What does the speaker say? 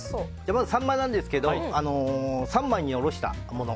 サンマなんですけど三枚に下ろしたもの。